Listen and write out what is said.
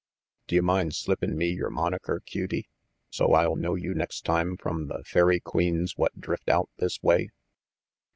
D'you mind slippin' me yer monaker, cutey, so's I'll know you next time from the fairy queens what drift out this way?"